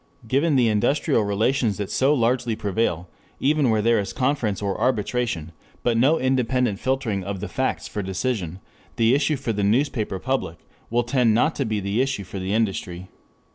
Given the industrial relations that so largely prevail, even where there is conference or arbitration, but no independent filtering of the facts for decision, the issue for the newspaper public will tend not to be the issue for the industry.